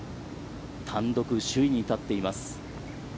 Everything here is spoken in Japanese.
単独首位に立っています。